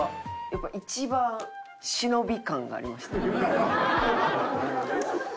やっぱ一番忍び感がありましたね。